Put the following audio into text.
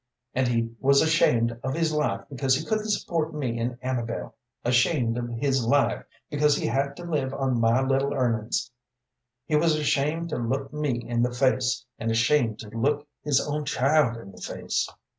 And he was ashamed of his life because he couldn't support me and Amabel, ashamed of his life because he had to live on my little earnin's. He was ashamed to look me in the face, and ashamed to look his own child in the face.